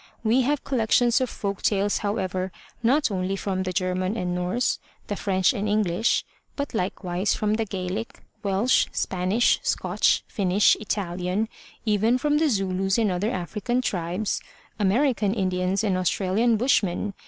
We have collections of folk tales, however, not only from the Ger man and Norse, the French and English, but likewise from the Gaelic, Welsh, Spanish, Scotch, Finnish, Italian, even from the Zulus and other African tribes, American Indians and Austra lian Bushmen.